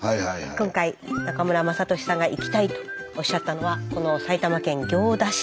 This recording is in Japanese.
今回中村雅俊さんが行きたいとおっしゃったのはこの埼玉県行田市。